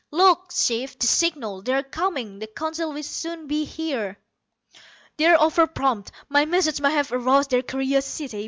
"Look, Chief, the signal. They're coming. The Council will soon be here." "They're over prompt. My message must have aroused their curiosity.